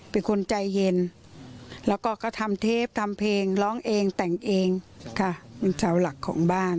เป็นคนใจเย็นแล้วก็เขาทำเทปทำเพลงร้องเองแต่งเองค่ะเป็นเสาหลักของบ้าน